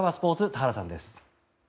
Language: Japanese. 田原さんです。